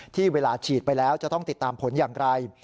ที่เวลาฉีดไปแล้วจะต้องติดตามผลอย่างไร